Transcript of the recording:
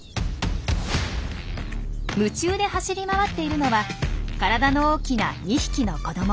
夢中で走り回っているのは体の大きな２匹の子ども。